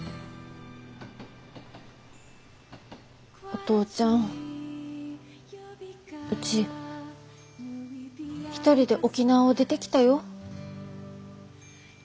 お父ちゃんうち一人で沖縄を出てきたよ。